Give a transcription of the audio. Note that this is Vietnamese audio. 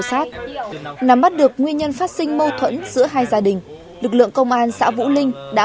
sát nắm bắt được nguyên nhân phát sinh mâu thuẫn giữa hai gia đình lực lượng công an xã vũ ninh đã